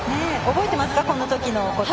覚えてます。